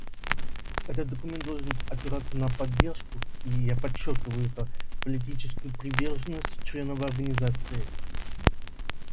Этот документ должен опираться на поддержку и, я подчеркиваю это, политическую приверженность членов Организации.